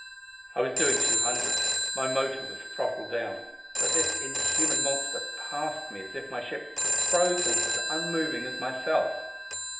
I was doing two hundred my motor was throttled down but this inhuman monster passed me as if my ship were frozen as unmoving as myself.